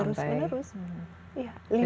terus menurus lima kali